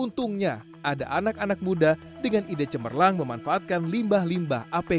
untungnya ada anak anak muda dengan ide cemerlang memanfaatkan limbah limbah apd